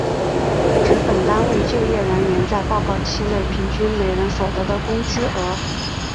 指本单位就业人员在报告期内平均每人所得的工资额。